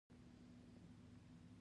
نیکه تل دعا کوي.